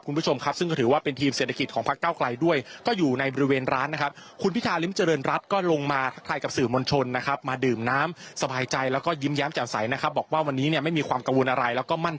คุณผู้ชมครับซึ่งก็ถือว่าเป็นทีมเศรษฐกิจของพักเก้าไกลด้วย